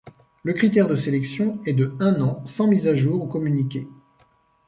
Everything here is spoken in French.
Le critère de sélection est de un an sans mise à jour ou communiqué.